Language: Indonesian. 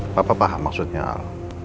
papa paham maksudnya al